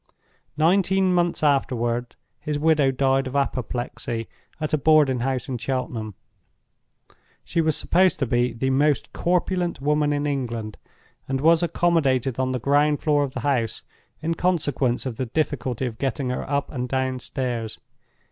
Nineteen months afterward his widow died of apoplexy at a boarding house in Cheltenham. She was supposed to be the most corpulent woman in England, and was accommodated on the ground floor of the house in consequence of the difficulty of getting her up and down stairs.